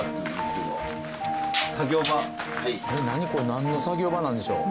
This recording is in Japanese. なんの作業場なんでしょう？